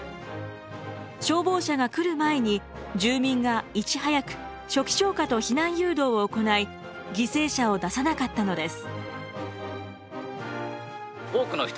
消防車が来る前に住民がいち早く初期消火と避難誘導を行い犠牲者を出さなかったのです。